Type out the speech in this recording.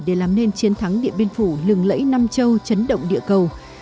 để làm nên chiến thắng điện biên phủ lừng lẫy nam châu chấn động địa cầu